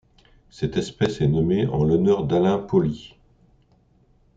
Cette espèce est nommée en l'honneur d'Alain Pauly.